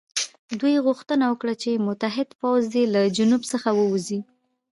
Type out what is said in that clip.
دوی غوښتنه وکړه چې متحد پوځ دې له جنوب څخه ووځي.